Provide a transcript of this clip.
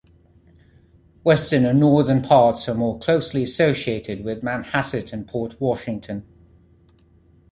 Western and northern parts are more closely associated with Manhasset and Port Washington.